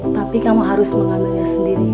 tapi kamu harus mengenalnya sendiri